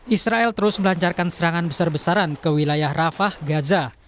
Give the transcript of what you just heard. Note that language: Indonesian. israel terus melancarkan serangan besar besaran ke wilayah rafah gaza